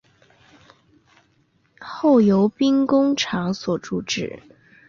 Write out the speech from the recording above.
后由兵工厂所铸制。